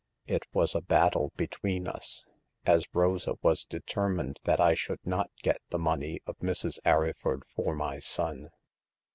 It was a battle between us, as Rosa was determined that I should not get the money of Mrs. Arryford for my son.